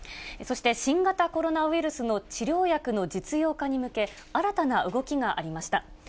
そして、新型コロナウイルスの治療薬の実用化に向け、新たな動きがありました。